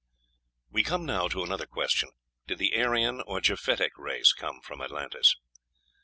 We come now to another question: "Did the Aryan or Japhetic race come from Atlantis?"